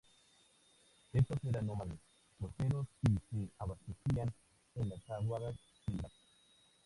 Estos eran nómades costeros y se abastecían en las aguadas del lugar.